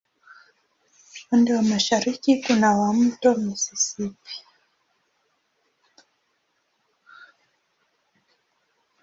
Upande wa mashariki kuna wa Mto Mississippi.